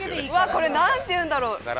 これ何て言うんだろう。